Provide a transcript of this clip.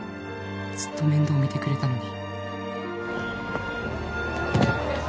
「ずっと面倒みてくれたのに」